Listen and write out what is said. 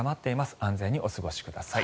安全にお過ごしください。